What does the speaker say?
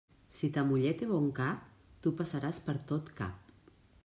Si ta muller té bon cap, tu passaràs per tot cap.